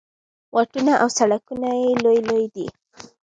واټونه او سړکونه یې لوی لوی دي.